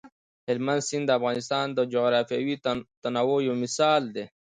هلمند سیند د افغانستان د جغرافیوي تنوع یو مثال دی.